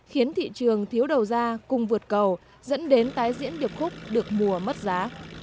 khiến thị trường thiếu đầu ra cùng vượt cầu dẫn đến tái diễn biểu khúc được mùa mất giá